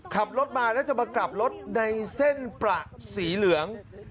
ขับรถมาแล้วจะมากลับรถในเส้นประสีเหลือง